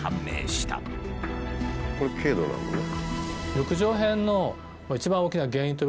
これ軽度なのね。